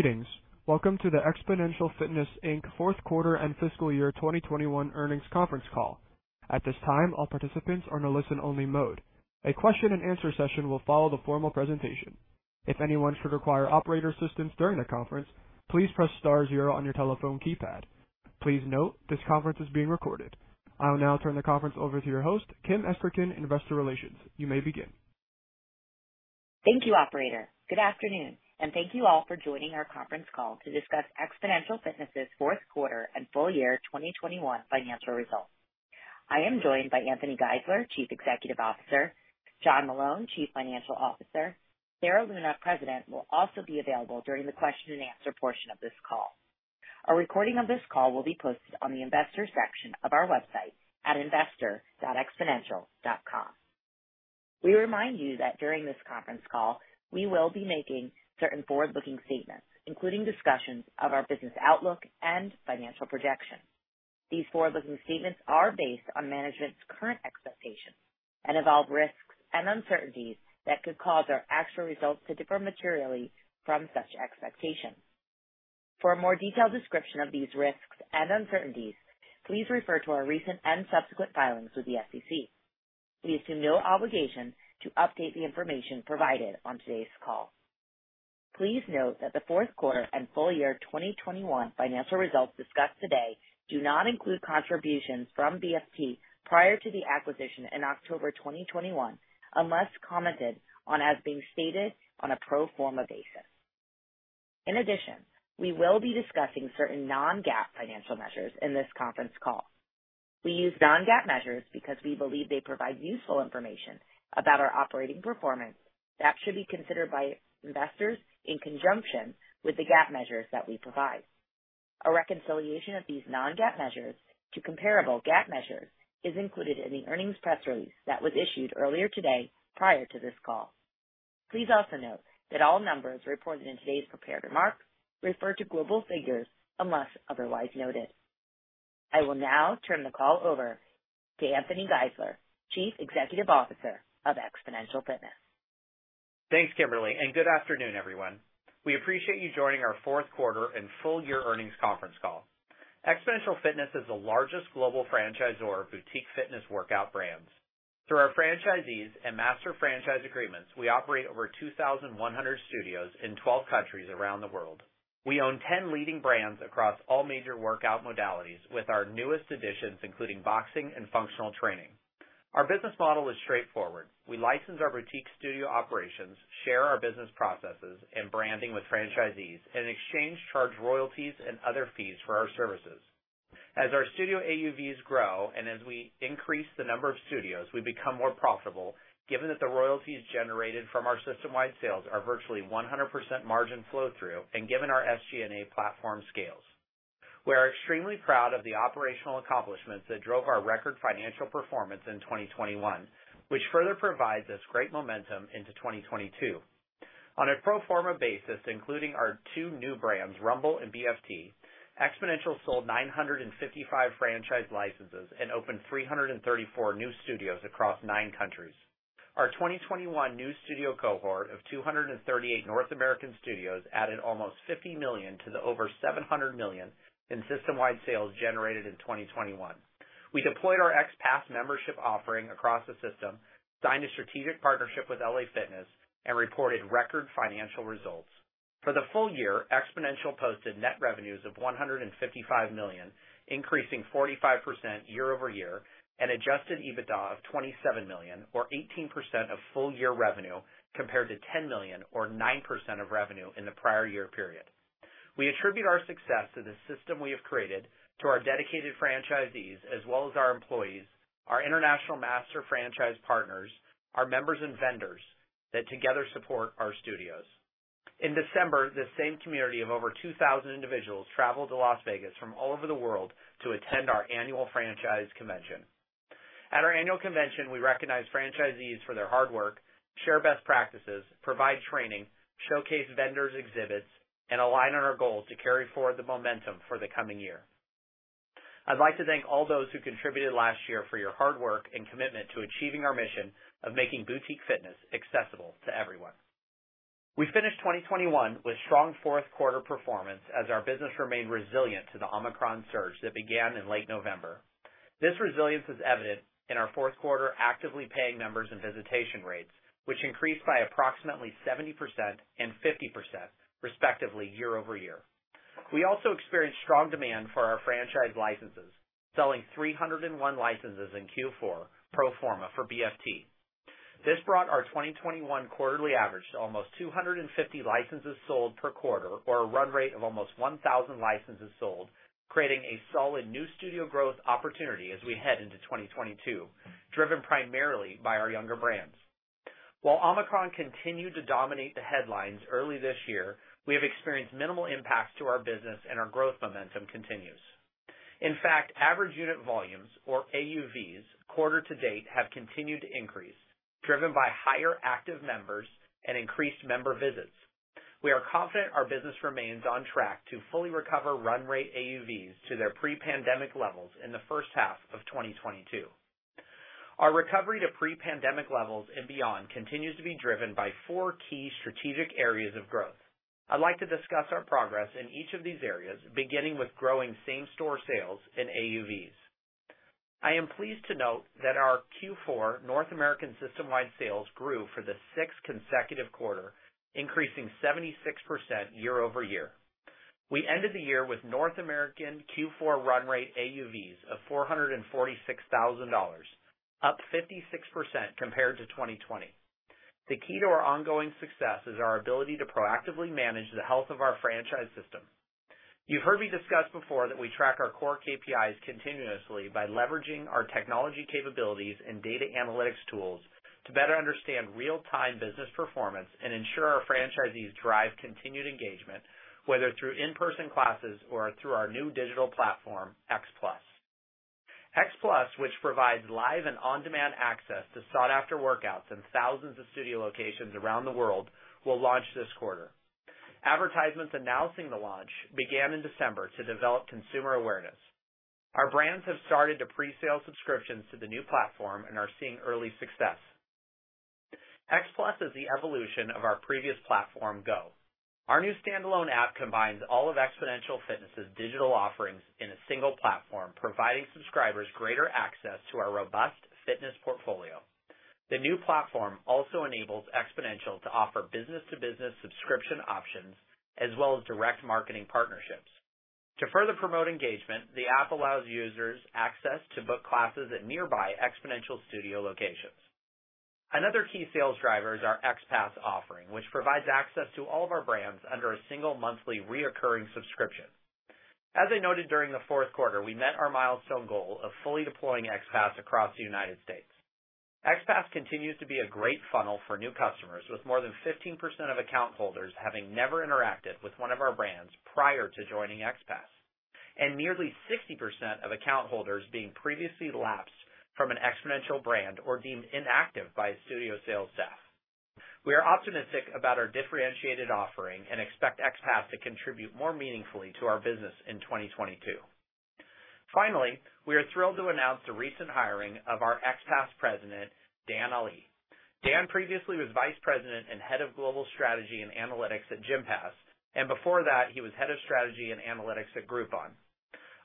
Greetings. Welcome to the Xponential Fitness, Inc. Fitness, Inc. fourth quarter and fiscal year 2021 earnings conference call. At this time, all participants are in a listen-only mode. A question-and-answer session will follow the formal presentation. If anyone should require operator assistance during the conference, please press star zero on your telephone keypad. Please note, this conference is being recorded. I will now turn the conference over to your host, Kimberly Esterkin, Investor Relations. You may begin. Thank you, operator. Good afternoon, and thank you all for joining our conference call to discuss Xponential Fitness' fourth quarter and full year 2021 financial results. I am joined by Anthony Geisler, Chief Executive Officer, John Meloun, Chief Financial Officer. Sarah Luna, President, will also be available during the question-and-answer portion of this call. A recording of this call will be posted on the investors section of our website at investor.xponential.com. We remind you that during this conference call, we will be making certain forward-looking statements, including discussions of our business outlook and financial projections. These forward-looking statements are based on management's current expectations and involve risks and uncertainties that could cause our actual results to differ materially from such expectations. For a more detailed description of these risks and uncertainties, please refer to our recent and subsequent filings with the SEC. We assume no obligation to update the information provided on today's call. Please note that the fourth quarter and full year 2021 financial results discussed today do not include contributions from BFT prior to the acquisition in October 2021, unless commented on as being stated on a pro forma basis. In addition, we will be discussing certain non-GAAP financial measures in this conference call. We use non-GAAP measures because we believe they provide useful information about our operating performance that should be considered by investors in conjunction with the GAAP measures that we provide. A reconciliation of these non-GAAP measures to comparable GAAP measures is included in the earnings press release that was issued earlier today prior to this call. Please also note that all numbers reported in today's prepared remarks refer to global figures unless otherwise noted. I will now turn the call over to Anthony Geisler, Chief Executive Officer of Xponential Fitness. Thanks, Kimberly, and good afternoon, everyone. We appreciate you joining our fourth quarter and full year earnings conference call. Xponential Fitness is the largest global franchisor of boutique fitness workout brands. Through our franchisees and master franchise agreements, we operate over 2,100 studios in 12 countries around the world. We own 10 leading brands across all major workout modalities, with our newest additions including boxing and functional training. Our business model is straightforward. We license our boutique studio operations, share our business processes and branding with franchisees, and in exchange, charge royalties and other fees for our services. As our studio AUVs grow and as we increase the number of studios, we become more profitable, given that the royalties generated from our system-wide sales are virtually 100% margin flow through and given our SG&A platform scales. We are extremely proud of the operational accomplishments that drove our record financial performance in 2021, which further provides us great momentum into 2022. On a pro forma basis, including our two new brands, Rumble and BFT, Xponential sold 955 franchise licenses and opened 334 new studios across nine countries. Our 2021 new studio cohort of 238 North American studios added almost 50 million to the over 700 million in system-wide sales generated in 2021. We deployed our XPASS membership offering across the system, signed a strategic partnership with LA Fitness, and reported record financial results. For the full year, Xponential posted net revenues of 155 million, increasing 45% year-over-year, and adjusted EBITDA of 27 million or 18% of full year revenue, compared to 10 million or 9% of revenue in the prior year period. We attribute our success to the system we have created, to our dedicated franchisees, as well as our employees, our international master franchise partners, our members and vendors that together support our studios. In December, the same community of over 2,000 individuals traveled to Las Vegas from all over the world to attend our annual franchise convention. At our annual convention, we recognize franchisees for their hard work, share best practices, provide training, showcase vendors exhibits, and align on our goals to carry forward the momentum for the coming year. I'd like to thank all those who contributed last year for your hard work and commitment to achieving our mission of making boutique fitness accessible to everyone. We finished 2021 with strong fourth quarter performance as our business remained resilient to the Omicron surge that began in late November. This resilience is evident in our fourth quarter actively paying members and visitation rates, which increased by approximately 70% and 50%, respectively, year-over-year. We also experienced strong demand for our franchise licenses, selling 301 licenses in Q4 pro forma for BFT. This brought our 2021 quarterly average to almost 250 licenses sold per quarter or a run rate of almost 1,000 licenses sold, creating a solid new studio growth opportunity as we head into 2022, driven primarily by our younger brands. While Omicron continued to dominate the headlines early this year, we have experienced minimal impacts to our business, and our growth momentum continues. In fact, average unit volumes or AUVs quarter to date have continued to increase, driven by higher active members and increased member visits. We are confident our business remains on track to fully recover run rate AUVs to their pre-pandemic levels in the first half of 2022. Our recovery to pre-pandemic levels and beyond continues to be driven by four key strategic areas of growth. I'd like to discuss our progress in each of these areas, beginning with growing same-store sales and AUVs. I am pleased to note that our Q4 North American system-wide sales grew for the sixth consecutive quarter, increasing 76% year-over-year. We ended the year with North American Q4 run rate AUVs of $446,000, up 56% compared to 2020. The key to our ongoing success is our ability to proactively manage the health of our franchise system. You've heard me discuss before that we track our core KPIs continuously by leveraging our technology capabilities and data analytics tools to better understand real-time business performance and ensure our franchisees drive continued engagement, whether through in-person classes or through our new digital platform, X+. X+, which provides live and on-demand access to sought-after workouts in thousands of studio locations around the world, will launch this quarter. Advertisements announcing the launch began in December to develop consumer awareness. Our brands have started to pre-sale subscriptions to the new platform and are seeing early success. X+ is the evolution of our previous platform, GO. Our new standalone app combines all of Xponential Fitness's digital offerings in a single platform, providing subscribers greater access to our robust fitness portfolio. The new platform also enables Xponential to offer business-to-business subscription options, as well as direct marketing partnerships. To further promote engagement, the app allows users access to book classes at nearby Xponential studio locations. Another key sales driver is our XPASS offering, which provides access to all of our brands under a single monthly recurring subscription. As I noted during the fourth quarter, we met our milestone goal of fully deploying XPASS across the United States. XPASS continues to be a great funnel for new customers, with more than 15% of account holders having never interacted with one of our brands prior to joining XPASS, and nearly 60% of account holders being previously lapsed from an Xponential brand or deemed inactive by studio sales staff. We are optimistic about our differentiated offering and expect XPASS to contribute more meaningfully to our business in 2022. Finally, we are thrilled to announce the recent hiring of our XPASS president, Danyal Ali. Dan previously was vice president and head of global strategy and analytics at Gympass, and before that, he was head of strategy and analytics at Groupon.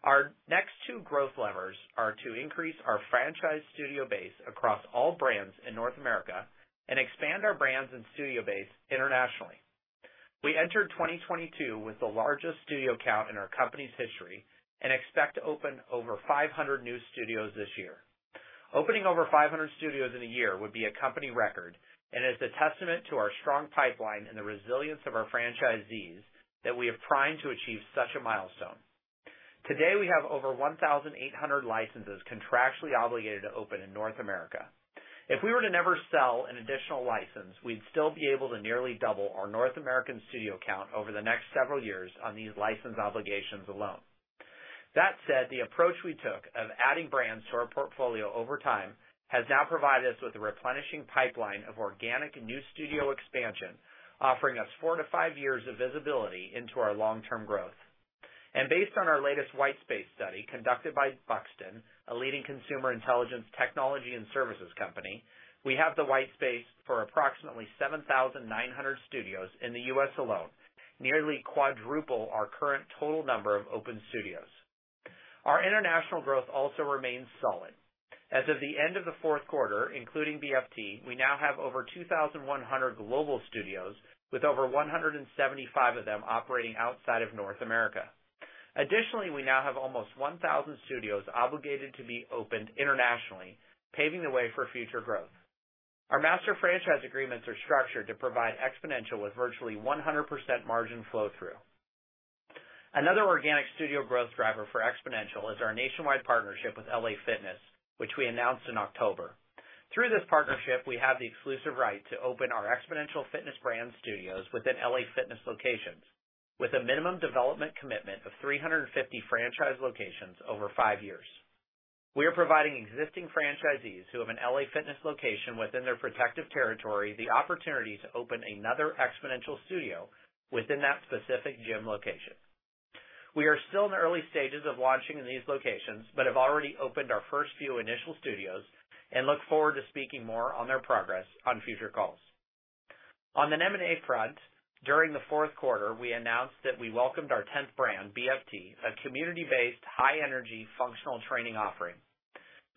Our next two growth levers are to increase our franchise studio base across all brands in North America and expand our brands and studio base internationally. We entered 2022 with the largest studio count in our company's history and expect to open over 500 new studios this year. Opening over 500 studios in a year would be a company record, and it's a testament to our strong pipeline and the resilience of our franchisees that we are primed to achieve such a milestone. Today, we have over 1,800 licenses contractually obligated to open in North America. If we were to never sell an additional license, we'd still be able to nearly double our North American studio count over the next several years on these license obligations alone. That said, the approach we took of adding brands to our portfolio over time has now provided us with a replenishing pipeline of organic new studio expansion, offering us four-five years of visibility into our long-term growth. Based on our latest white space study conducted by Buxton, a leading consumer intelligence technology and services company, we have the white space for approximately 7,900 studios in the U.S. alone, nearly quadruple our current total number of open studios. Our international growth also remains solid. As of the end of the fourth quarter, including BFT, we now have over 2,100 global studios, with over 175 of them operating outside of North America. Additionally, we now have almost 1,000 studios obligated to be opened internationally, paving the way for future growth. Our master franchise agreements are structured to provide Xponential with virtually 100% margin flow through. Another organic studio growth driver for Xponential is our nationwide partnership with LA Fitness, which we announced in October. Through this partnership, we have the exclusive right to open our Xponential Fitness brand studios within LA Fitness locations with a minimum development commitment of 350 franchise locations over 5 years. We are providing existing franchisees who have an LA Fitness location within their protective territory the opportunity to open another Xponential studio within that specific gym location. We are still in the early stages of launching in these locations, but have already opened our first few initial studios and look forward to speaking more on their progress on future calls. On the M&A front, during the fourth quarter, we announced that we welcomed our tenth brand, BFT, a community-based, high-energy, functional training offering.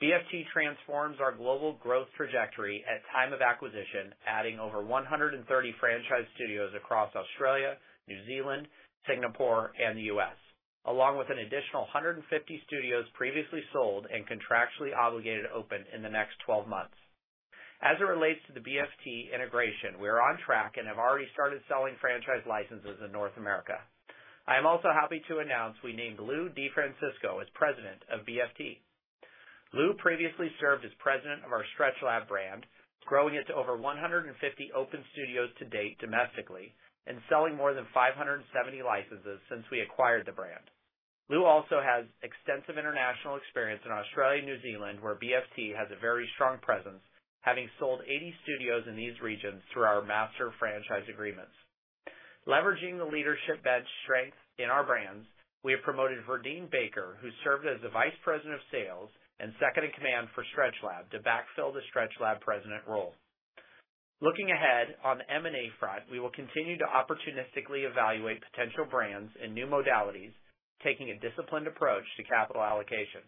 BFT transforms our global growth trajectory at time of acquisition, adding over 130 franchise studios across Australia, New Zealand, Singapore, and the U.S., along with an additional 150 studios previously sold and contractually obligated open in the next 12 months. As it relates to the BFT integration, we are on track and have already started selling franchise licenses in North America. I am also happy to announce we named Lou DeFrancisco as president of BFT. Lou previously served as president of our StretchLab brand, growing it to over 150 open studios to date domestically and selling more than 570 licenses since we acquired the brand. Lou also has extensive international experience in Australia and New Zealand, where BFT has a very strong presence, having sold 80 studios in these regions through our master franchise agreements. Leveraging the leadership bench strength in our brands, we have promoted Verdine Baker, who served as the vice president of sales and second in command for StretchLab, to backfill the StretchLab president role. Looking ahead on the M&A front, we will continue to opportunistically evaluate potential brands and new modalities, taking a disciplined approach to capital allocation.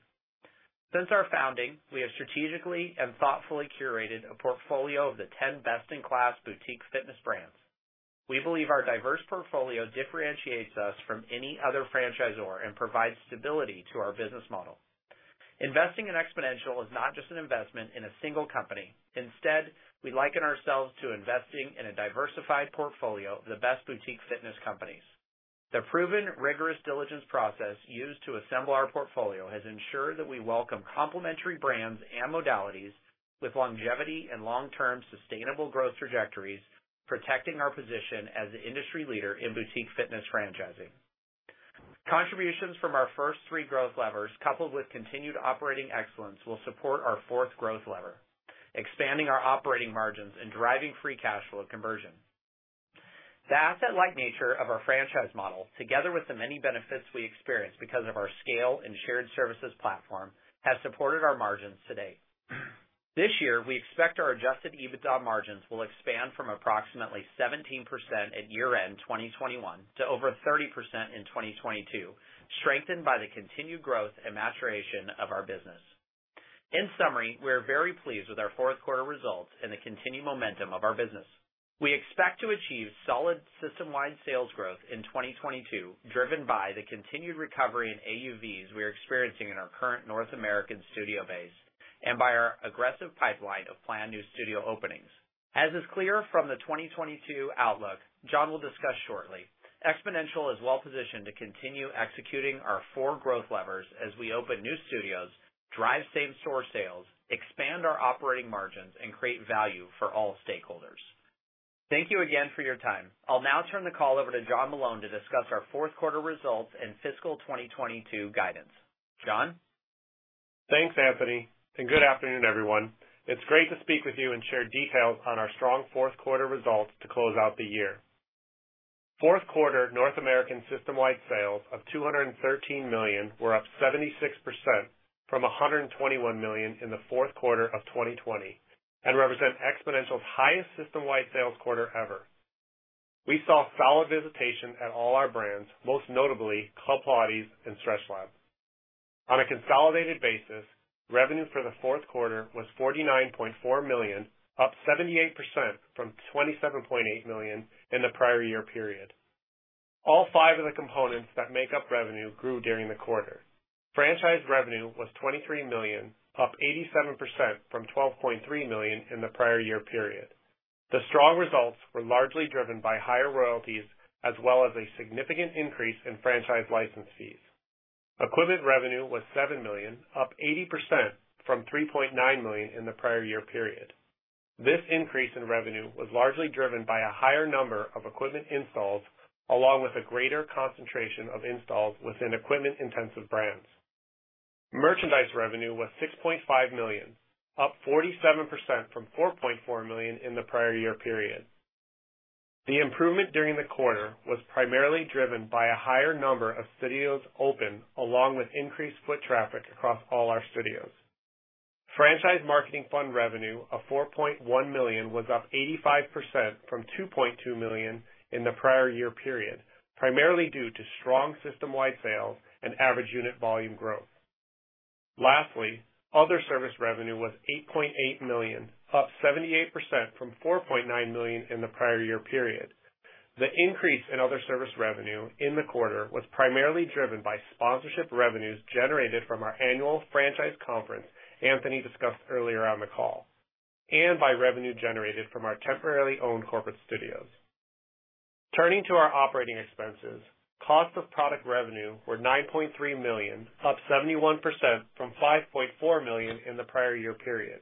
Since our founding, we have strategically and thoughtfully curated a portfolio of the 10 best-in-class boutique fitness brands. We believe our diverse portfolio differentiates us from any other franchisor and provides stability to our business model. Investing in Xponential is not just an investment in a single company. Instead, we liken ourselves to investing in a diversified portfolio of the best boutique fitness companies. The proven, rigorous diligence process used to assemble our portfolio has ensured that we welcome complementary brands and modalities with longevity and long-term sustainable growth trajectories, protecting our position as the industry leader in boutique fitness franchising. Contributions from our first three growth levers, coupled with continued operating excellence, will support our fourth growth lever, expanding our operating margins and driving free cash flow conversion. The asset-light nature of our franchise model, together with the many benefits we experience because of our scale and shared services platform, has supported our margins to date. This year, we expect our adjusted EBITDA margins will expand from approximately 17% at year-end 2021 to over 30% in 2022, strengthened by the continued growth and maturation of our business. In summary, we are very pleased with our fourth quarter results and the continued momentum of our business. We expect to achieve solid system-wide sales growth in 2022, driven by the continued recovery in AUVs we are experiencing in our current North American studio base, and by our aggressive pipeline of planned new studio openings. As is clear from the 2022 outlook John will discuss shortly, Xponential is well-positioned to continue executing our four growth levers as we open new studios, drive same-store sales, expand our operating margins, and create value for all stakeholders. Thank you again for your time. I'll now turn the call over to John Meloun to discuss our fourth quarter results and fiscal 2022 guidance. John? Thanks, Anthony, and good afternoon, everyone. It's great to speak with you and share details on our strong fourth quarter results to close out the year. Fourth quarter North American systemwide sales of 213 million were up 76% from 121 million in the fourth quarter of 2020 and represent Xponential's highest systemwide sales quarter ever. We saw solid visitation at all our brands, most notably Club Pilates and StretchLab. On a consolidated basis, revenue for the fourth quarter was 49.4 million, up 78% from 27.8 million in the prior year period. All five of the components that make up revenue grew during the quarter. Franchise revenue was 23 million, up 87% from 12.3 million in the prior year period. The strong results were largely driven by higher royalties as well as a significant increase in franchise license fees. Equipment revenue was 7 million, up 80% from 3.9 million in the prior year period. This increase in revenue was largely driven by a higher number of equipment installs, along with a greater concentration of installs within equipment-intensive brands. Merchandise revenue was 6.5 million, up 47% from 4.4 million in the prior year period. The improvement during the quarter was primarily driven by a higher number of studios open, along with increased foot traffic across all our studios. Franchise marketing fund revenue of 4.1 million was up 85% from 2.2 million in the prior year period, primarily due to strong systemwide sales and average unit volume growth. Lastly, other service revenue was 8.8 million, up 78% from 4.9 million in the prior year period. The increase in other service revenue in the quarter was primarily driven by sponsorship revenues generated from our annual franchise conference Anthony discussed earlier on the call and by revenue generated from our temporarily owned corporate studios. Turning to our operating expenses, cost of product revenue were 9.3 million, up 71% from 5.4 million in the prior year period.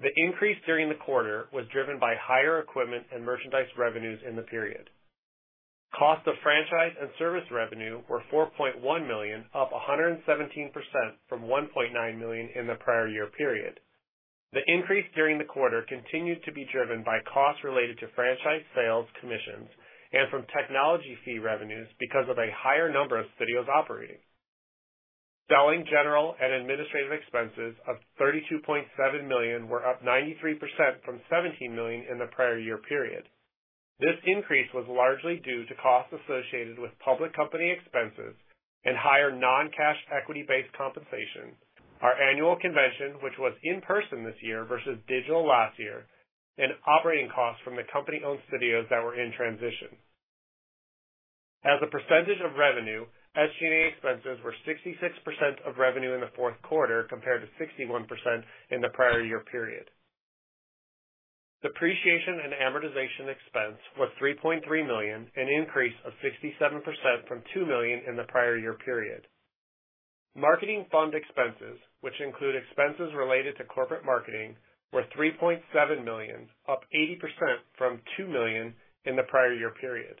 The increase during the quarter was driven by higher equipment and merchandise revenues in the period. Cost of franchise and service revenue were 4.1 million, up 117% from 1.9 million in the prior year period. The increase during the quarter continued to be driven by costs related to franchise sales commissions and from technology fee revenues because of a higher number of studios operating. Selling, general, and administrative expenses of 32.7 million were up 93% from 17 million in the prior year period. This increase was largely due to costs associated with public company expenses and higher non-cash equity-based compensation, our annual convention, which was in person this year versus digital last year, and operating costs from the company-owned studios that were in transition. As a percentage of revenue, SG&A expenses were 66% of revenue in the fourth quarter compared to 61% in the prior year period. Depreciation and amortization expense was 3.3 million, an increase of 67% from 2 million in the prior year period. Marketing fund expenses, which include expenses related to corporate marketing, were 3.7 million, up 80% from 2 million in the prior year period.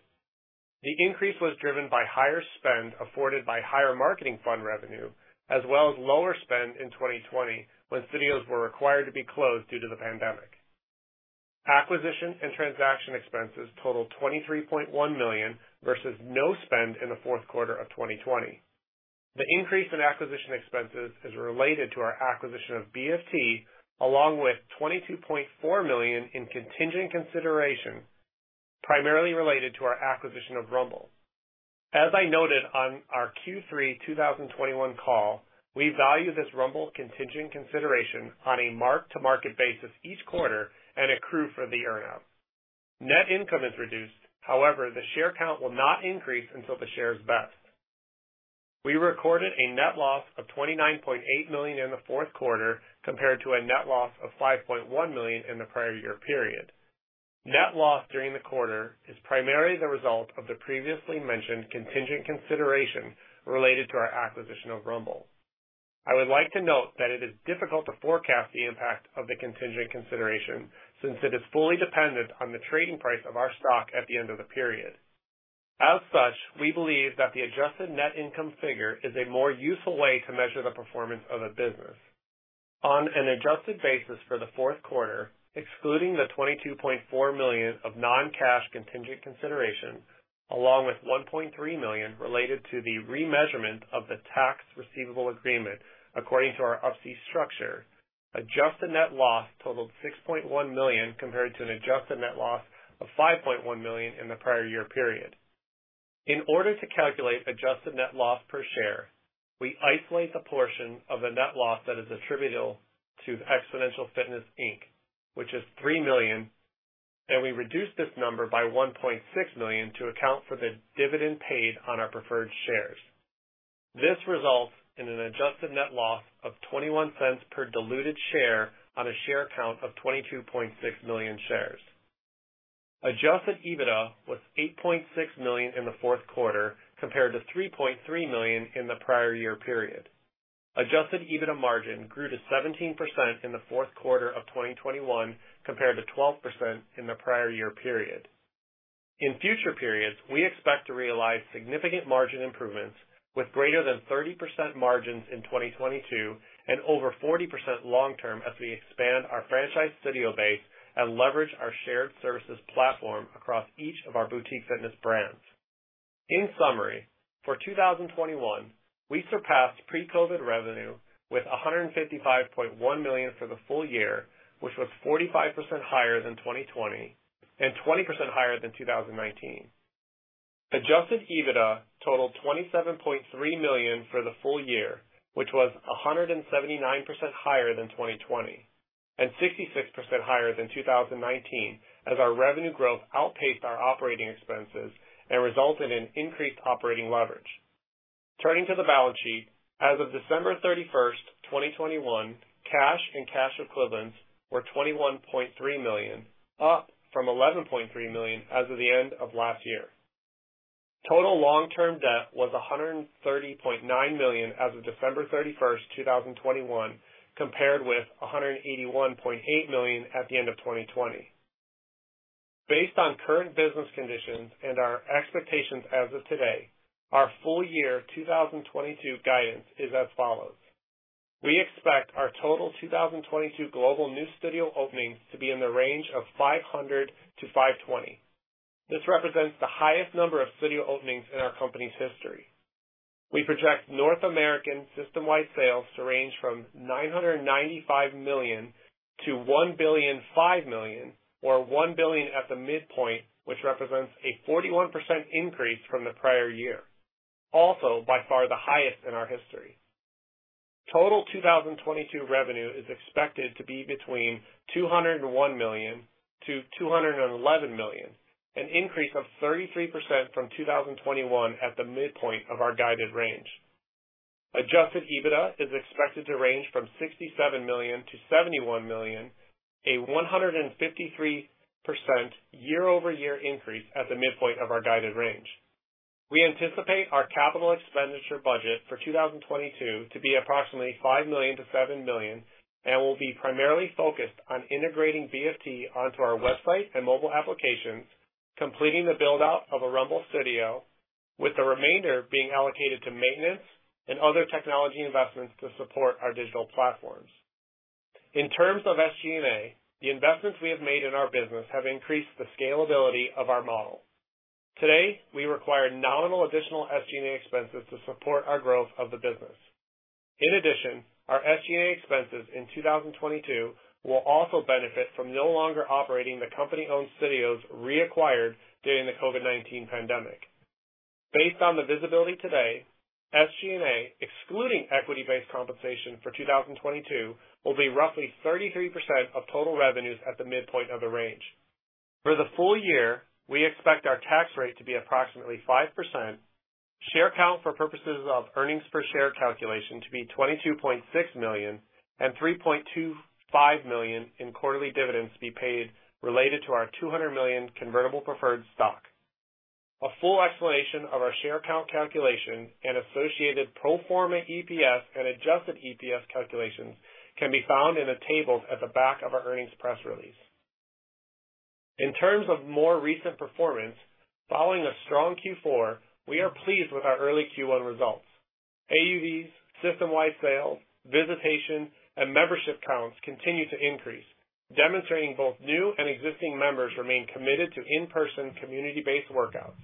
The increase was driven by higher spend afforded by higher marketing fund revenue, as well as lower spend in 2020 when studios were required to be closed due to the pandemic. Acquisition and transaction expenses totaled 23.1 million versus no spend in the fourth quarter of 2020. The increase in acquisition expenses is related to our acquisition of BFT, along with 22.4 million in contingent consideration primarily related to our acquisition of Rumble. As I noted on our Q3 2021 call, we value this Rumble contingent consideration on a mark-to-market basis each quarter and accrue for the earn out. Net income is reduced, however, the share count will not increase until the shares are vested. We recorded a net loss of 29.8 million in the fourth quarter compared to a net loss of 5.1 million in the prior year period. Net loss during the quarter is primarily the result of the previously mentioned contingent consideration related to our acquisition of Rumble. I would like to note that it is difficult to forecast the impact of the contingent consideration since it is fully dependent on the trading price of our stock at the end of the period. As such, we believe that the adjusted net income figure is a more useful way to measure the performance of a business. On an adjusted basis for the fourth quarter, excluding the 22.4 million of non-cash contingent consideration, along with 1.3 million related to the remeasurement of the tax receivable agreement according to our Up-C structure, adjusted net loss totaled 6.1 million compared to an adjusted net loss of 5.1 million in the prior year period. In order to calculate adjusted net loss per share, we isolate the portion of the net loss that is attributable to Xponential Fitness, Inc., which is 3 million, and we reduce this number by 1.6 million to account for the dividend paid on our preferred shares. This results in an adjusted net loss of 0.21 per diluted share on a share count of 22.6 million shares. Adjusted EBITDA was 8.6 million in the fourth quarter compared to 3.3 million in the prior year period. Adjusted EBITDA margin grew to 17% in the fourth quarter of 2021 compared to 12% in the prior year period. In future periods, we expect to realize significant margin improvements with greater than 30% margins in 2022 and over 40% long term as we expand our franchise studio base and leverage our shared services platform across each of our boutique fitness brands. In summary, for 2021, we surpassed pre-COVID revenue with 155.1 million for the full year, which was 45% higher than 2020 and 20% higher than 2019. Adjusted EBITDA totaled 27.3 million for the full year, which was 179% higher than 2020 and 66% higher than 2019 as our revenue growth outpaced our operating expenses and resulted in increased operating leverage. Turning to the balance sheet. As of December 31, 2021, cash and cash equivalents were 21.3 million, up from 11.3 million as of the end of last year. Total long-term debt was 130.9 million as of December 31, 2021, compared with 181.8 million at the end of 2020. Based on current business conditions and our expectations as of today, our full year 2022 guidance is as follows. We expect our total 2022 global new studio openings to be in the range of 500-520. This represents the highest number of studio openings in our company's history. We project North American system-wide sales to range from 995 million-1.005 billion or 1 billion at the midpoint, which represents a 41% increase from the prior year, also by far the highest in our history. Total 2022 revenue is expected to be between 201 million-211 million, a 33% increase from 2021 at the midpoint of our guided range. Adjusted EBITDA is expected to range from 67 million-71 million, a 153% year-over-year increase at the midpoint of our guided range. We anticipate our capital expenditure budget for 2022 to be approximately 5 million-7 million, and will be primarily focused on integrating BFT onto our website and mobile applications, completing the build out of a Rumble studio with the remainder being allocated to maintenance and other technology investments to support our digital platforms. In terms of SG&A, the investments we have made in our business have increased the scalability of our model. Today, we require nominal additional SG&A expenses to support our growth of the business. In addition, our SG&A expenses in 2022 will also benefit from no longer operating the company-owned studios reacquired during the COVID-19 pandemic. Based on the visibility today, SG&A, excluding equity-based compensation for 2022, will be roughly 33% of total revenues at the midpoint of the range. For the full year, we expect our tax rate to be approximately 5%, share count for purposes of earnings per share calculation to be 22.6 million, and 3.25 million in quarterly dividends be paid related to our 200 million convertible preferred stock. A full explanation of our share count calculation and associated pro forma EPS and adjusted EPS calculations can be found in the tables at the back of our earnings press release. In terms of more recent performance, following a strong Q4, we are pleased with our early Q1 results. AUVs, system-wide sales, visitation, and membership counts continue to increase, demonstrating both new and existing members remain committed to in-person community-based workouts.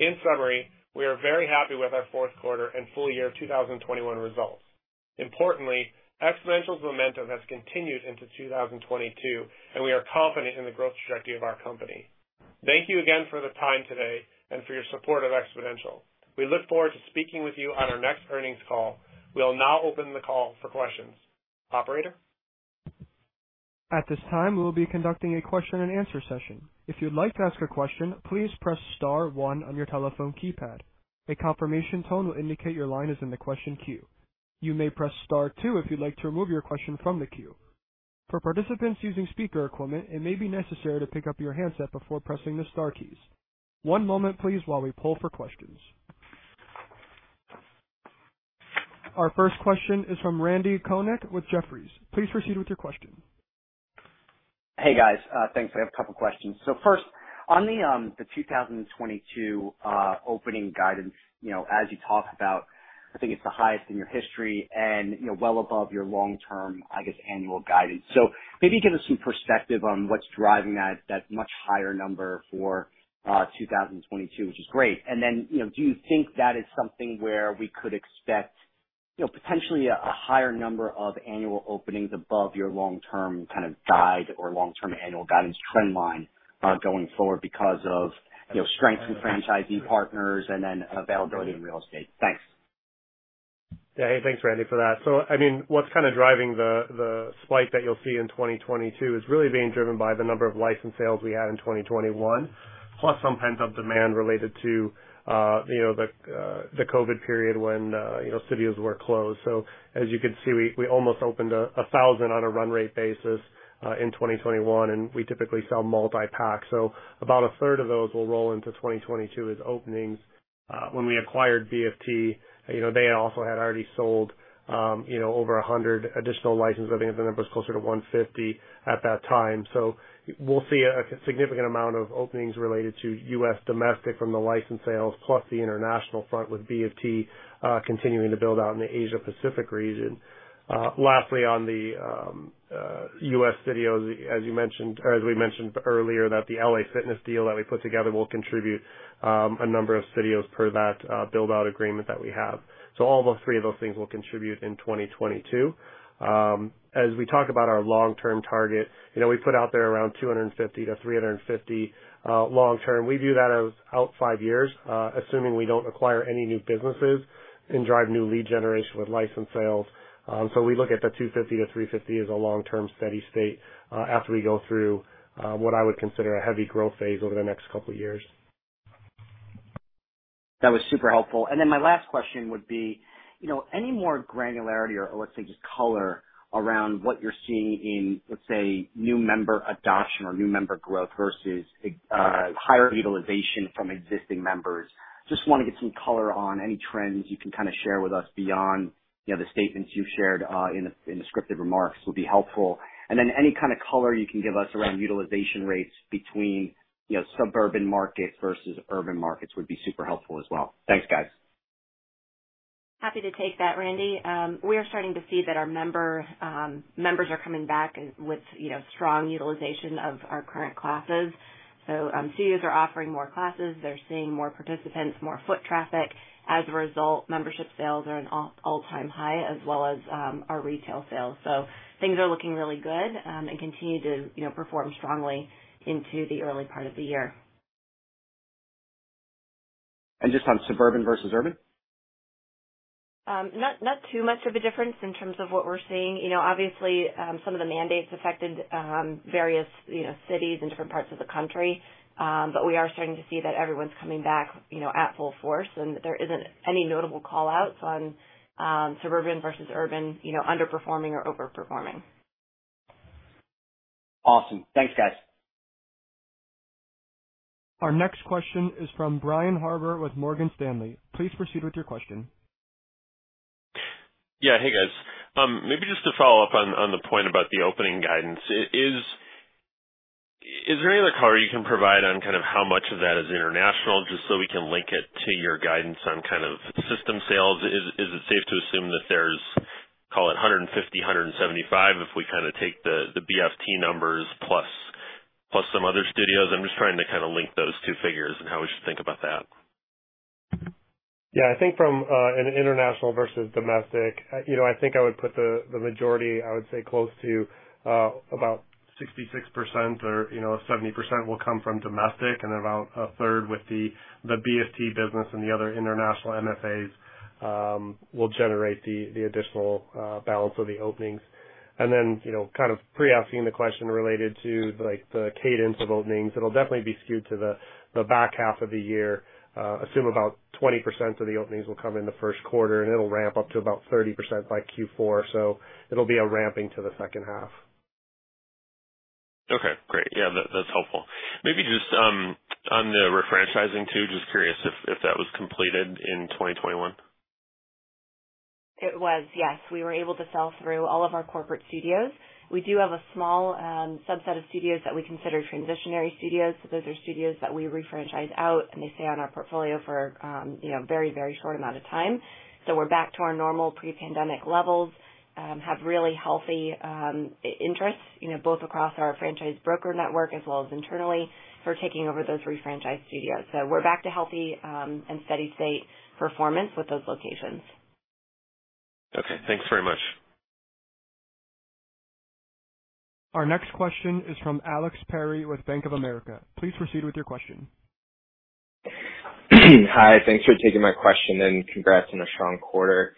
In summary, we are very happy with our fourth quarter and full year 2021 results. Importantly, Xponential's momentum has continued into 2022, and we are confident in the growth trajectory of our company. Thank you again for the time today and for your support of Xponential. We look forward to speaking with you on our next earnings call. We will now open the call for questions. Operator? At this time, we will be conducting a question and answer session. If you'd like to ask a question, please press star one on your telephone keypad. A confirmation tone will indicate your line is in the question queue. You may press star two if you'd like to remove your question from the queue. For participants using speaker equipment, it may be necessary to pick up your handset before pressing the star keys. One moment please while we pull for questions. Our first question is from Randall Konik with Jefferies. Please proceed with your question. Hey, guys. Thanks. I have a couple questions. First, on the 2022 opening guidance, you know, as you talk about, I think it's the highest in your history and, you know, well above your long-term, I guess, annual guidance. Maybe give us some perspective on what's driving that much higher number for 2022, which is great. Then, you know, do you think that is something where we could expect, you know, potentially a higher number of annual openings above your long-term kind of guide or long-term annual guidance trend line going forward because of, you know, strength in franchisee partners and then availability in real estate? Thanks. Yeah. Hey, thanks, Randy, for that. I mean, what's kind of driving the spike that you'll see in 2022 is really being driven by the number of license sales we had in 2021, plus some pent-up demand related to, you know, the COVID period when, you know, studios were closed. As you can see, we almost opened 1,000 on a run rate basis in 2021, and we typically sell multi-pack. About a third of those will roll into 2022 as openings. When we acquired BFT, you know, they also had already sold, you know, over 100 additional licenses. I think the number is closer to 150 at that time. We'll see a significant amount of openings related to U.S. domestic from the license sales, plus the international front with BFT continuing to build out in the Asia Pacific region. Lastly, on the U.S. studios, as you mentioned or as we mentioned earlier, that the LA Fitness deal that we put together will contribute a number of studios per that build-out agreement that we have. All of those three things will contribute in 2022. As we talk about our long-term target, you know, we put out there around 250-350 long term. We view that as out five years, assuming we don't acquire any new businesses and drive new lead generation with license sales. We look at 250-350 as a long-term steady state after we go through what I would consider a heavy growth phase over the next couple years. That was super helpful. Then my last question would be, you know, any more granularity or let's say just color around what you're seeing in, let's say, new member adoption or new member growth versus higher utilization from existing members. Just want to get some color on any trends you can kind of share with us beyond, you know, the statements you've shared in the scripted remarks will be helpful. Any kind of color you can give us around utilization rates between, you know, suburban markets versus urban markets would be super helpful as well. Thanks, guys. Happy to take that, Randy. We are starting to see that our members are coming back and with, you know, strong utilization of our current classes. Studios are offering more classes. They're seeing more participants, more foot traffic. As a result, membership sales are at an all-time high as well as our retail sales. Things are looking really good and continue to, you know, perform strongly into the early part of the year. Just on suburban versus urban. Not too much of a difference in terms of what we're seeing. You know, obviously, some of the mandates affected various, you know, cities in different parts of the country. We are starting to see that everyone's coming back, you know, at full force, and there isn't any notable call-outs on suburban versus urban, you know, underperforming or over-performing. Awesome. Thanks, guys. Our next question is from Brian Harbour with Morgan Stanley. Please proceed with your question. Yeah. Hey, guys. Maybe just to follow up on the point about the opening guidance. Is there any other color you can provide on kind of how much of that is international, just so we can link it to your guidance on kind of system sales? Is it safe to assume that there's call it 150-175 if we kind of take the BFT numbers plus some other studios? I'm just trying to kind of link those two figures and how we should think about that. Yeah. I think from an international versus domestic, you know, I think I would put the majority, I would say, close to about 66% or, you know, 70% will come from domestic and about a third with the BFT business and the other international MFAs will generate the additional balance of the openings. And then, you know, kind of pre-asking the question related to like the cadence of openings, it'll definitely be skewed to the back half of the year. Assume about 20% of the openings will come in the first quarter, and it'll ramp up to about 30% by Q4. It'll be a ramping to the second half. Okay, great. Yeah. That's helpful. Maybe just on the refranchising too, just curious if that was completed in 2021. It was, yes. We were able to sell through all of our corporate studios. We do have a small subset of studios that we consider transitory studios. Those are studios that we re-franchise out, and they stay on our portfolio for, you know, very, very short amount of time. We're back to our normal pre-pandemic levels and have really healthy interests, you know, both across our franchise broker network as well as internally for taking over those re-franchised studios. We're back to healthy and steady state performance with those locations. Okay, thanks very much. Our next question is from Alex Perry with Bank of America. Please proceed with your question. Hi, thanks for taking my question, and congrats on a strong quarter.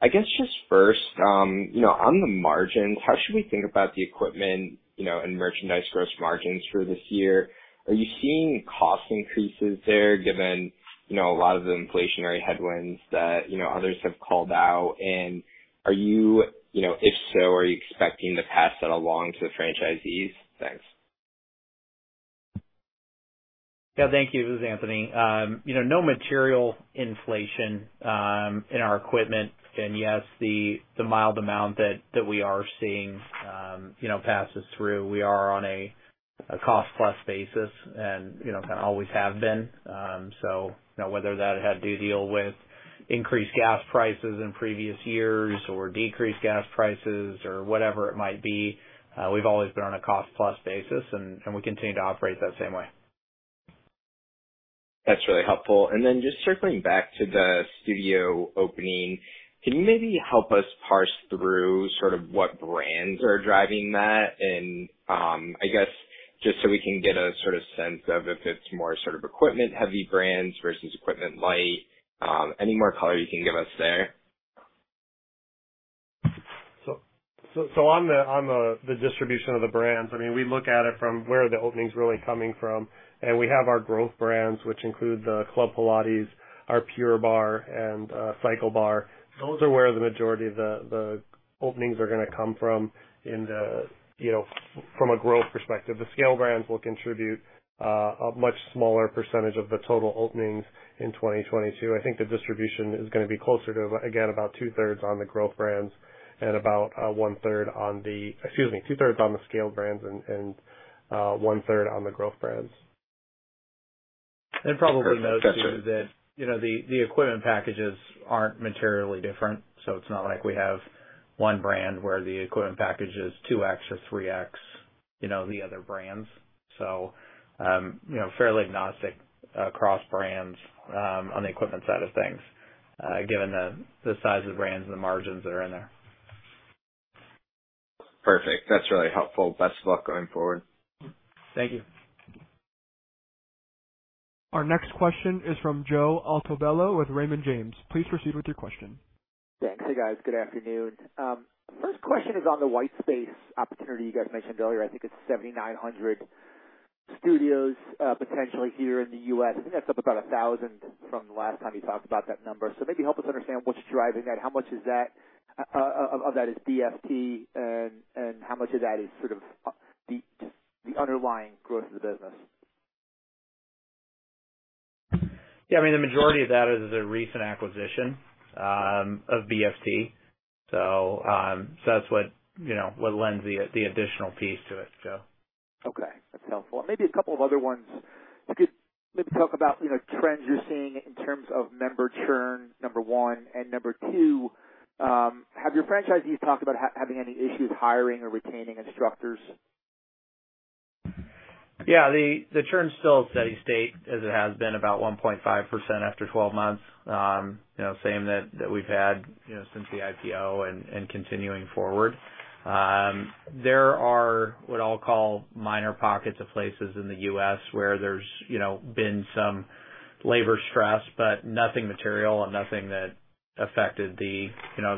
I guess just first, you know, on the margins, how should we think about the equipment, you know, and merchandise gross margins for this year? Are you seeing cost increases there, given, you know, a lot of the inflationary headwinds that, you know, others have called out? Are you know, if so, expecting to pass that along to the franchisees? Thanks. Yeah, thank you. This is Anthony. You know, no material inflation in our equipment. Yes, the mild amount that we are seeing, you know, passes through. We are on a cost plus basis and, you know, kind of always have been. You know, whether that had to deal with increased gas prices in previous years or decreased gas prices or whatever it might be, we've always been on a cost plus basis and we continue to operate that same way. That's really helpful. Just circling back to the studio opening, can you maybe help us parse through sort of what brands are driving that? I guess, just so we can get a sort of sense of if it's more sort of equipment-heavy brands versus equipment light. Any more color you can give us there? On the distribution of the brands, I mean, we look at it from where the openings are really coming from. We have our growth brands, which include Club Pilates, Pure Barre, and CycleBar. Those are where the majority of the openings are going to come from in 2022 from a growth perspective. The scale brands will contribute a much smaller percentage of the total openings in 2022. I think the distribution is going to be closer to, again, about two-thirds on the growth brands and about one-third on the-- Excuse me, two-thirds on the scale brands and one-third on the growth brands. Perfect. Got you. Probably note, too, that you know, the equipment packages aren't materially different, so it's not like we have one brand where the equipment package is 2X or 3X, you know, the other brands. You know, fairly agnostic across brands on the equipment side of things, given the size of the brands and the margins that are in there. Perfect. That's really helpful. Best of luck going forward. Thank you. Our next question is from Joe Altobello with Raymond James. Please proceed with your question. Thanks. Hey, guys. Good afternoon. First question is on the white space opportunity you guys mentioned earlier. I think it's 7,900 studios, potentially here in the U.S. I think that's up about 1,000 from the last time you talked about that number. Maybe help us understand what's driving that. How much of that is BFT, and how much of that is sort of the underlying growth of the business? Yeah. I mean, the majority of that is a recent acquisition of BFT. That's what you know what lends the additional piece to it, Joe. Okay. That's helpful. Maybe a couple of other ones. If you could maybe talk about, you know, trends you're seeing in terms of member churn, number one. Number two, have your franchisees talked about having any issues hiring or retaining instructors? Yeah. The churn's still steady state as it has been about 1.5% after 12 months. You know, same that we've had, you know, since the IPO and continuing forward. There are what I'll call minor pockets of places in the U.S. where there's been some labor stress, but nothing material and nothing that affected the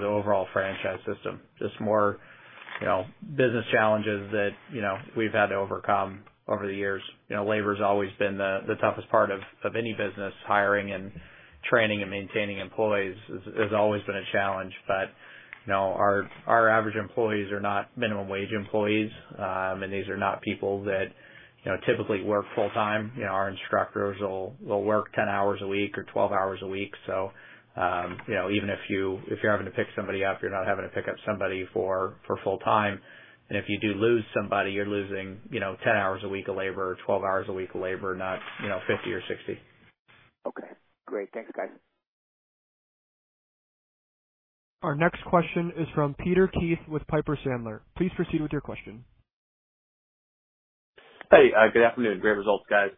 overall franchise system. Just more business challenges that we've had to overcome over the years. You know, labor's always been the toughest part of any business. Hiring and training and maintaining employees has always been a challenge. But, you know, our average employees are not minimum wage employees, and these are not people that typically work full-time. You know, our instructors will work 10 hours a week or 12 hours a week. You know, even if you're having to pick somebody up, you're not having to pick up somebody for full-time. If you do lose somebody, you're losing, you know, 10 hours a week of labor or 12 hours a week of labor, not, you know, 50 or 60. Okay. Great. Thanks, guys. Our next question is from Peter Keith with Piper Sandler. Please proceed with your question. Hey. Good afternoon. Great results, guys.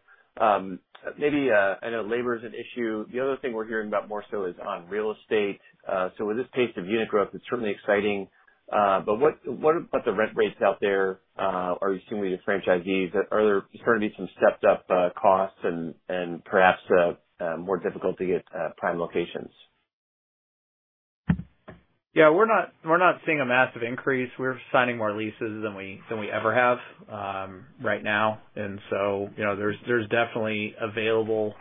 Maybe I know labor is an issue. The other thing we're hearing about more so is on real estate. With this pace of unit growth, it's certainly exciting. What about the rent rates out there, are you seeing with your franchisees? Are there starting to be some stepped up costs and perhaps more difficulty at prime locations? Yeah. We're not seeing a massive increase. We're signing more leases than we ever have right now. You know, there's definitely available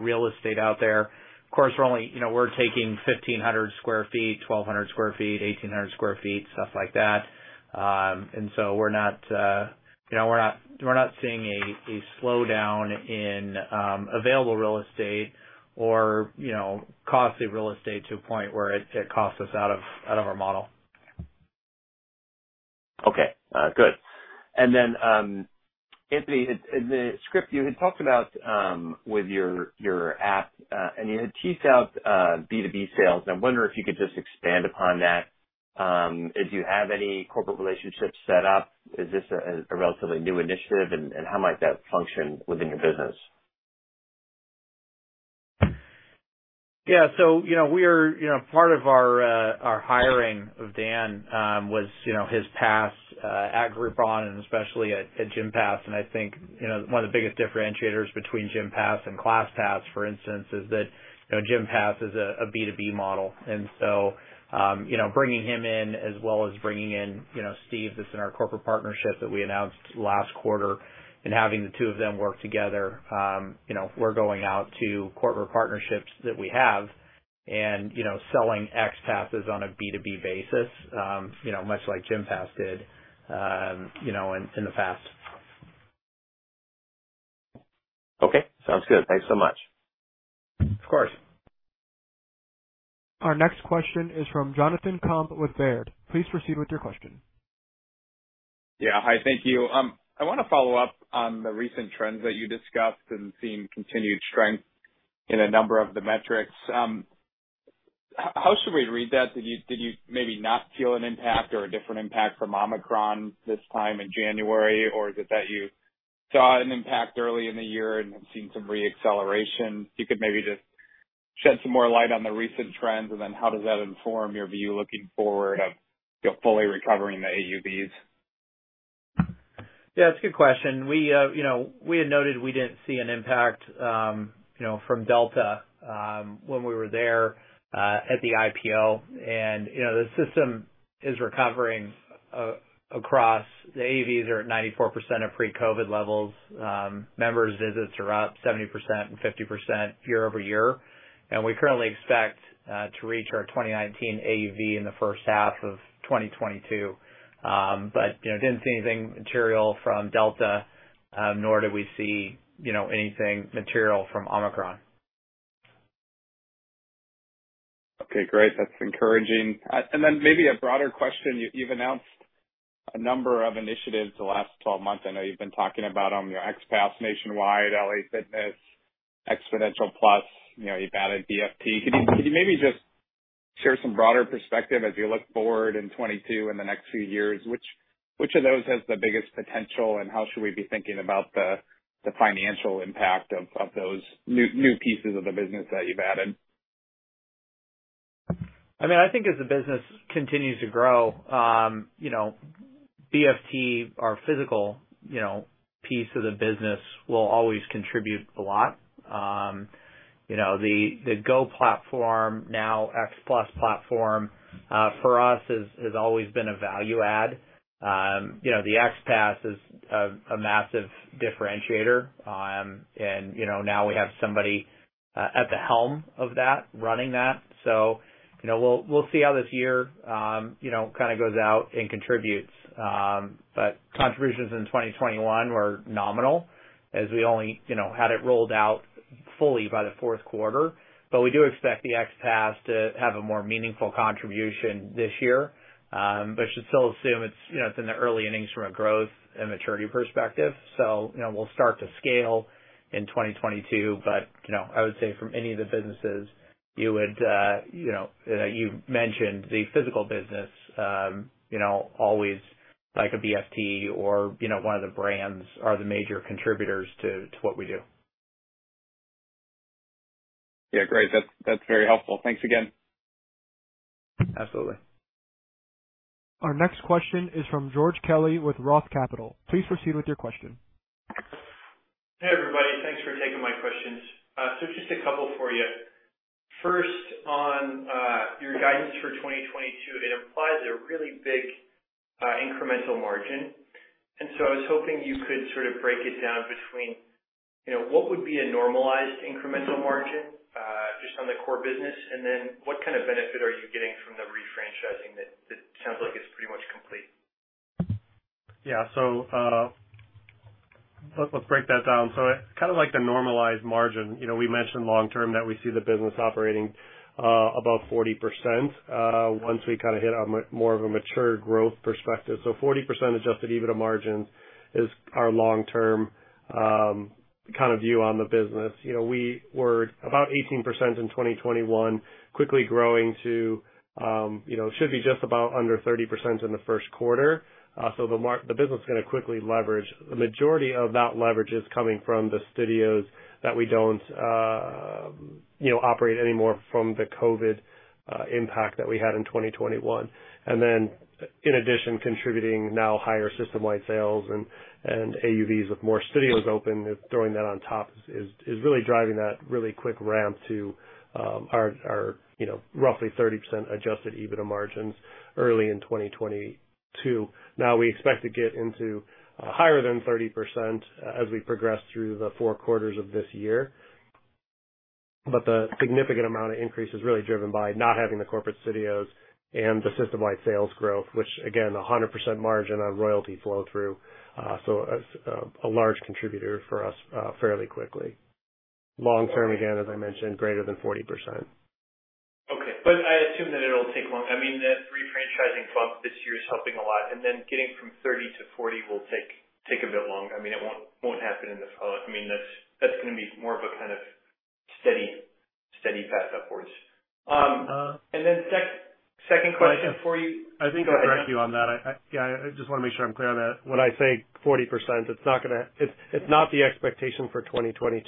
real estate out there. Of course, we're only, you know, we're taking 1,500 sq ft, 1,200 sq ft, 1,800 sq ft, stuff like that. We're not, you know, we're not seeing a slowdown in available real estate or, you know, costly real estate to a point where it costs us out of our model. Okay. Good. Anthony, in the script you had talked about with your app and you had teased out B2B sales, and I wonder if you could just expand upon that. If you have any corporate relationships set up, is this a relatively new initiative and how might that function within your business? Yeah. You know, we are, you know, part of our hiring of Dan was, you know, his past at Groupon, and especially at Gympass. I think, you know, one of the biggest differentiators between Gympass and ClassPass, for instance, is that, you know, Gympass is a B2B model. You know, bringing him in as well as bringing in, you know, Steve, that's in our corporate partnership that we announced last quarter, and having the two of them work together, you know, we're going out to corporate partnerships that we have and, you know, selling X Passes on a B2B basis, you know, much like Gympass did, you know, in the past. Okay. Sounds good. Thanks so much. Of course. Our next question is from Jonathan Komp with Baird. Please proceed with your question. Yeah. Hi. Thank you. I want to follow up on the recent trends that you discussed and seeing continued strength in a number of the metrics. How should we read that? Did you maybe not feel an impact or a different impact from Omicron this time in January? Or is it that you saw an impact early in the year and have seen some re-acceleration? If you could maybe just shed some more light on the recent trends, and then how does that inform your view looking forward of, you know, fully recovering the AUVs? Yeah, it's a good question. We, you know, we had noted we didn't see an impact, you know, from Delta, when we were there, at the IPO. You know, the system is recovering. The AUVs are at 94% of pre-COVID levels. Members visits are up 70% and 50% year-over-year. We currently expect to reach our 2019 AUV in the first half of 2022. You know, we didn't see anything material from Delta, nor did we see, you know, anything material from Omicron. Okay, great. That's encouraging. And then maybe a broader question. You've announced a number of initiatives the last 12 months. I know you've been talking about your X Pass nationwide, LA Fitness, Xponential+, you know, you've added BFT. Could you maybe just share some broader perspective as you look forward in 2022 in the next few years? Which of those has the biggest potential, and how should we be thinking about the financial impact of those new pieces of the business that you've added? I mean, I think as the business continues to grow, you know, BFT, our physical, you know, piece of the business will always contribute a lot. You know, the GO platform, now X+ platform, for us has always been a value add. You know, the X Pass is a massive differentiator. You know, now we have somebody at the helm of that running that. You know, we'll see how this year, you know, kind of goes out and contributes. Contributions in 2021 were nominal as we only, you know, had it rolled out fully by the fourth quarter. We do expect the X Pass to have a more meaningful contribution this year. Should still assume it's you know in the early innings from a growth and maturity perspective. You know, we'll start to scale in 2022, but you know, I would say from any of the businesses you've mentioned the physical business, you know, always like a BFT or, you know, one of the brands are the major contributors to what we do. Yeah, great. That's very helpful. Thanks again. Absolutely. Our next question is from George Kelly with Roth Capital. Please proceed with your question. Hey, everybody. Thanks for taking my questions. Just a couple for you. First, on your guidance for 2022, it implies a really big incremental margin. I was hoping you could sort of break it down between, you know, what would be a normalized incremental margin just on the core business, and then what kind of benefit are you getting from the re-franchising that sounds like it's pretty much complete? Yeah. Let's break that down. Kind of like the normalized margin, you know, we mentioned long term that we see the business operating above 40%, once we kind of hit a more of a mature growth perspective. 40% adjusted EBITDA margin is our long term, kind of view on the business. You know, we were about 18% in 2021, quickly growing to, you know, should be just about under 30% in the first quarter. The business is going to quickly leverage. The majority of that leverage is coming from the studios that we don't, you know, operate anymore from the COVID impact that we had in 2021. Then in addition, contributing now higher system-wide sales and AUVs with more studios open is throwing that on top is really driving that really quick ramp to our you know, roughly 30% adjusted EBITDA margins early in 2022. Now we expect to get into higher than 30% as we progress through the four quarters of this year. The significant amount of increase is really driven by not having the corporate studios and the system-wide sales growth, which again, 100% margin on royalty flow through, so is a large contributor for us fairly quickly. Long term, again, as I mentioned, greater than 40%. I assume that it'll take long. I mean, the refranchising bump this year is helping a lot, and then getting from 30-40 will take a bit long. I mean, it won't happen. I mean, that's going to be more of a kind of steady path upwards. Second question for you. I think to correct you on that. Yeah, I just want to make sure I'm clear on that. When I say 40%, it's not going to. It's not the expectation for 2022,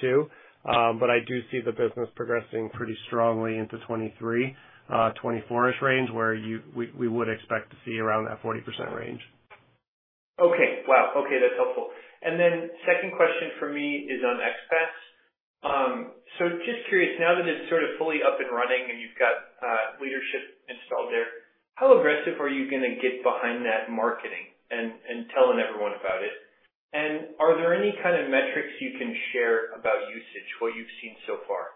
but I do see the business progressing pretty strongly into 2023, 2024-ish range where we would expect to see around that 40% range. Okay. Wow. Okay. That's helpful. Second question for me is on XPASS. So just curious, now that it's sort of fully up and running and you've got leadership installed there, how aggressive are you going to get behind that marketing and telling everyone about it? Are there any kind of metrics you can share about usage, what you've seen so far?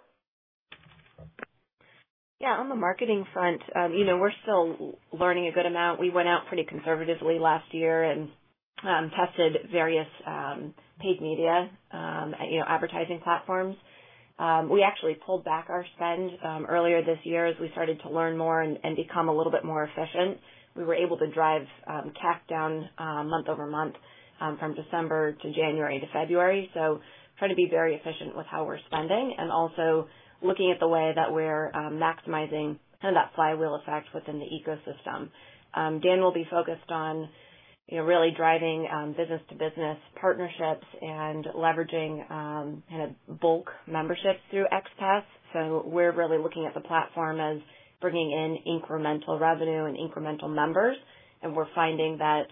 Yeah. On the marketing front, you know, we're still learning a good amount. We went out pretty conservatively last year and tested various paid media, you know, advertising platforms. We actually pulled back our spend earlier this year as we started to learn more and become a little bit more efficient. We were able to drive CAC down month-over-month from December to January to February. Trying to be very efficient with how we're spending and also looking at the way that we're maximizing kind of that flywheel effect within the ecosystem. Dan will be focused on, you know, really driving business-to-business partnerships and leveraging kind of bulk memberships through XPASS. We're really looking at the platform as bringing in incremental revenue and incremental members, and we're finding that,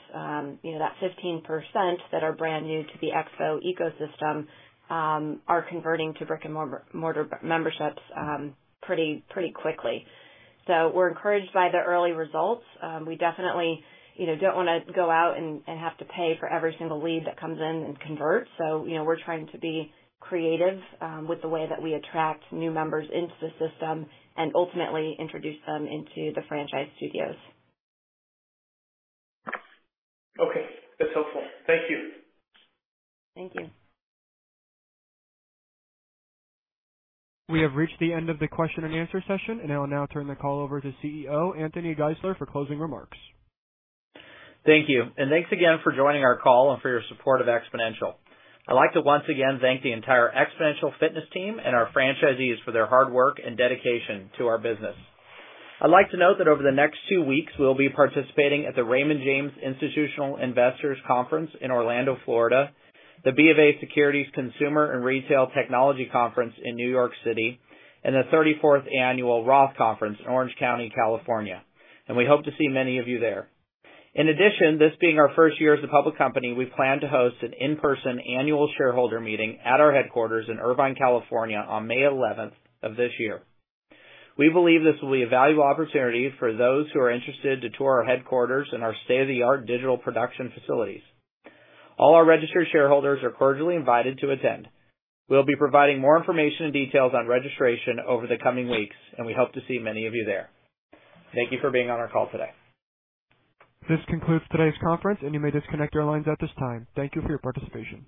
you know, that 15% that are brand new to the Xponential ecosystem, are converting to brick-and-mortar memberships, pretty quickly. We're encouraged by the early results. We definitely, you know, don't want to go out and have to pay for every single lead that comes in and convert. You know, we're trying to be creative, with the way that we attract new members into the system and ultimately introduce them into the franchise studios. Okay. That's helpful. Thank you. Thank you. We have reached the end of the question and answer session, and I will now turn the call over to CEO Anthony Geisler for closing remarks. Thank you. Thanks again for joining our call and for your support of Xponential. I'd like to once again thank the entire Xponential Fitness team and our franchisees for their hard work and dedication to our business. I'd like to note that over the next two weeks, we'll be participating at the Raymond James Institutional Investors Conference in Orlando, Florida, the BofA Securities Consumer and Retail Technology Conference in New York City, and the thirty-fourth annual Roth Conference in Orange County, California. We hope to see many of you there. In addition, this being our first year as a public company, we plan to host an in-person annual shareholder meeting at our headquarters in Irvine, California on May eleventh of this year. We believe this will be a valuable opportunity for those who are interested to tour our headquarters and our state-of-the-art digital production facilities. All our registered shareholders are cordially invited to attend. We'll be providing more information and details on registration over the coming weeks, and we hope to see many of you there. Thank you for being on our call today. This concludes today's conference, and you may disconnect your lines at this time. Thank you for your participation.